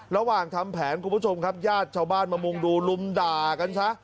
ระหว่างทำแผนคุณผู้ชมครับญาติชาวบ้านมามุงดูลุมด่ากันซะ